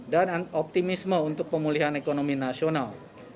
dan optimisme untuk pemulihan ekonomi nasional